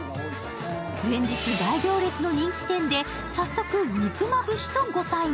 連日大行列の人気店で早速肉まぶしとご対面。